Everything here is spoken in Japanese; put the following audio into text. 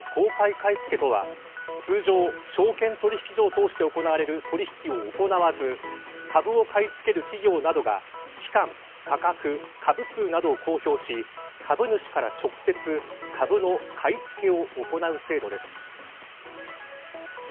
買い付けとは通常、証券取引所を通して行われる取引を行わず株を買い付ける企業などが期間、価格、株数などを公表し株主から直接株の買い付けを行う制度です。